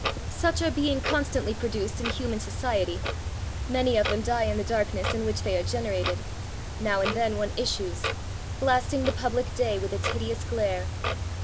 Such are being constantly produced in human society; many of them die in the darkness in which they are generated; now and then one issues, blasting the public day with its hideous glare.